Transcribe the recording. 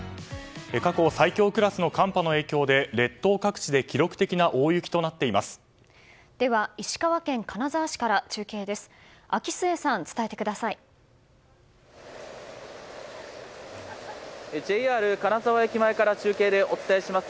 過去最強クラスの寒波の影響で列島各地で記録的な大雪となっています。